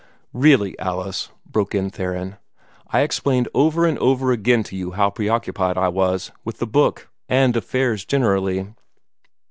"Really, Alice," broke in Theron, "I explained over and over again to you how preoccupied I was with the book and affairs generally."